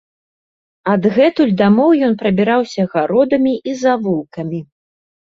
Адгэтуль дамоў ён прабіраўся гародамі і завулкамі.